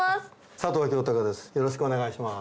佐藤清隆です